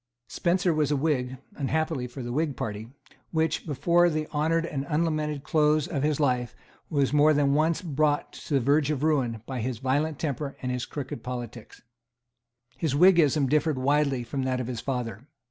Spencer was a Whig, unhappily for the Whig party, which, before the unhonoured and unlamented close of his life, was more than once brought to the verge of ruin by his violent temper and his crooked politics. His Whiggism differed widely from that of his father.